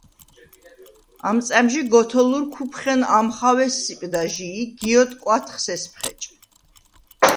ამ წა̈მჟი გოთოლურ ქუფხენ ამხავ ესსიპდა ჟი ი გიოდ კვათხს ესფხეჭ.